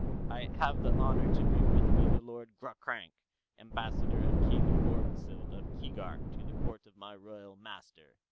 "I have the honor to bring with me the Lord Ghroghrank, Ambassador of King Orgzild of Keegark to the court of my royal master."